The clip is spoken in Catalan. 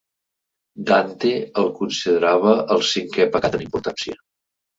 Dante el considerava el cinquè pecat en importància.